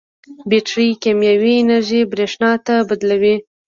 بیټرۍ کیمیاوي انرژي برېښنا ته بدلوي.